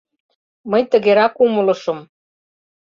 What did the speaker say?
Мый тыгерак умылышым...